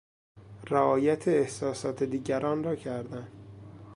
رعایت احساسات دیگران را کردن